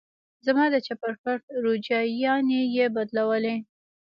زما د چپرکټ روجايانې يې بدلولې.